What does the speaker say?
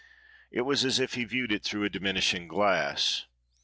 It was as if he viewed it through a diminishing glass.